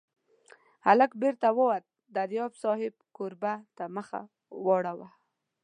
هلک بېرته ووت، دریاب صاحب کوربه ته مخ واړاوه.